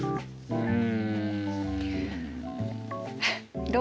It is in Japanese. うん。